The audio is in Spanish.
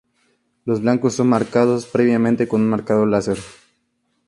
Los blancos son marcados previamente con un marcador láser.